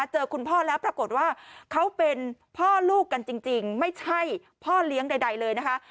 เจอคุณพ่อแล้วปรากฏว่าเขาเป็นพ่อลูกกันจริงไม่ใช่พ่อเลี้ยงใดเลยนะคะ